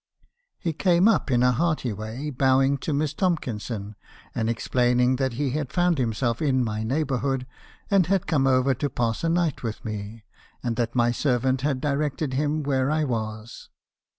"He came up in a hearty way, bowing to Miss Tomkinson, and explaining that he had found himself in my neighbourhood, and had come over to pass a night with me , and that my servant had directed him where I was.